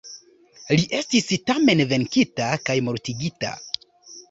Li estis tamen venkita kaj mortigita.